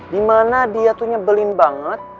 di mana dia tuh nyebelin banget